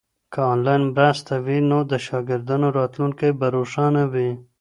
که انلاین مرسته وي نو د شاګردانو راتلونکی به روښانه وي.